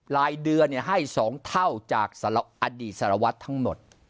รายเดือนเนี่ยให้สองเท่าจากอดีตสละวัดทั้งหมด